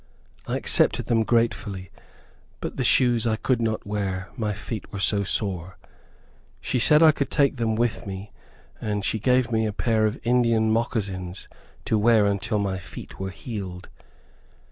I accepted them gratefully, but the shoes I could not wear, my feet were so sore. She said I could take them with me, and she gave me a pair of Indian moccasins to wear till my feet were healed.